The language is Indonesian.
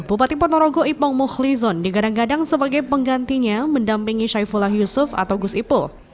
bupati ponorogo ipong muhlizon digadang gadang sebagai penggantinya mendampingi syaifullah yusuf atau gus ipul